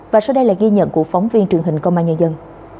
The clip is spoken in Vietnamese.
và sau đây là ghi nhận của phóng viên truyền hình công an nhân dân